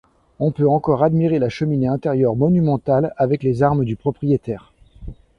On peut encore admirer la cheminée intérieure monumentale avec les armes du propriétaire.